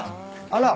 あら。